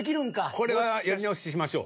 これはやり直ししましょう。